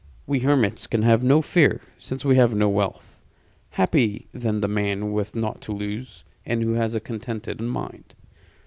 "We hermits can have no fear, since we have no wealth. Happy then the man with naught to lose, and who has a contented mind."